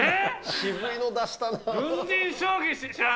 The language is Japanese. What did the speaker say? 渋いの出したな。